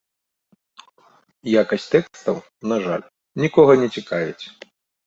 Якасць тэкстаў, на жаль, нікога не цікавіць.